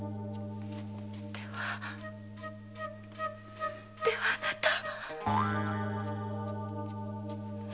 ではではあなたは。